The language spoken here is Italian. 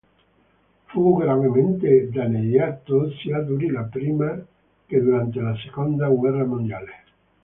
Fu gravemente danneggiato sia durante la prima che durante la Seconda Guerra Mondiale.